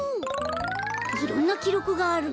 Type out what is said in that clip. いろんなきろくがあるね。